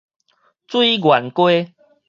水源街